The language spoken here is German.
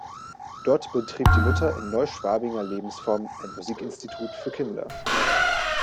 Dort betrieb die Mutter in neu-schwabinger Lebensform ein Musikinstitut für Kinder.